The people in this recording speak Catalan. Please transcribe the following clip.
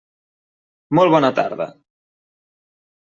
Molt bona tarda.